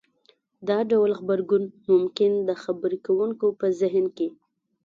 دا ډول غبرګون ممکن د خبرې کوونکي په زهن کې